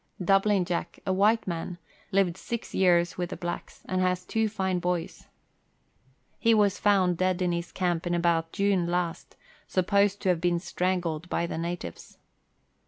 Dublin Jack, a white man, lived six years with the blacks, and has two fine boys. He was found dead 148 Letters from Victorian Pioneers. in his cainp in about June last, supposed to have been strangled by the natives.